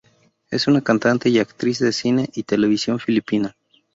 Es una cantante y actriz de cine y televisión filipina.